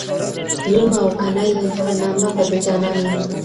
یمه او که نه یم په نامه به د جانان یمه !.